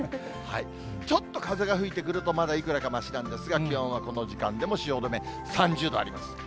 ちょっと風が吹いてくると、まだいくらかましなんですが、気温はこの時間でも汐留３０度あります。